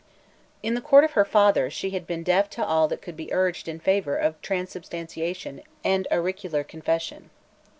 In the court of her father she had been deaf to all that could be urged in favour of transubstantiation and auricular confession.